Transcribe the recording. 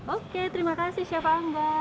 oke terima kasih chef ambo